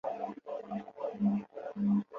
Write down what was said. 阿尔坎蒂尔是巴西帕拉伊巴州的一个市镇。